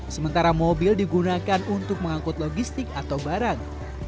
sementara mobil digunakan untuk mengangkut logistik atau barang